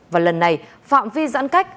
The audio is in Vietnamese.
và lần này phạm vi giãn cách